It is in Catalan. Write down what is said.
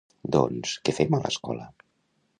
Doncs, què fem a l’escola…?